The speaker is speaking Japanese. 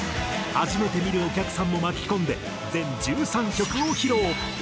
初めて見るお客さんも巻き込んで全１３曲を披露！